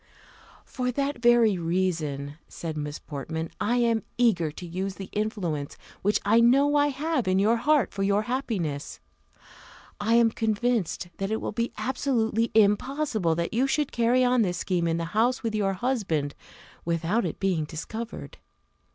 "For that very reason," said Miss Portman, "I am eager to use the influence which I know I have in your heart for your happiness. I am convinced that it will be absolutely impossible that you should carry on this scheme in the house with your husband without its being discovered.